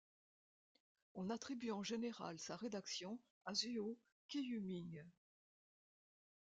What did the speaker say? On attribue en général sa rédaction à Zuo Qiuming.